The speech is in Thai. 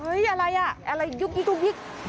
เฮ้ยอะไรน่ะอะไรยุบ